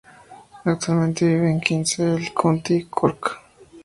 Actualmente vive en Kinsale County, Cork.